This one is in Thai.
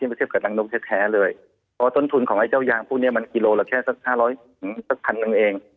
เพราะต้นทุนของไอ้เจ้ายางพวกนี้มันกิโลละแค่สักห้าร้อยหือสักพันหนึ่งเอง